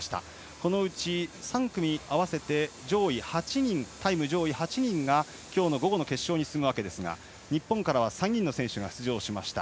このうち３組合わせてタイム上位８人が今日の午後の決勝に進むわけですが日本からは３人の選手が出場しました。